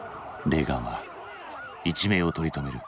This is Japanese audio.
レーガンは一命を取りとめる。